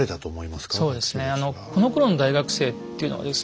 このころの大学生っていうのはですね